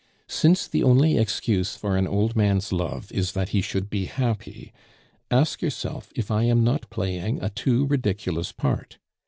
Since the only excuse for an old man's love is that he should be happy, ask yourself if I am not playing a too ridiculous part.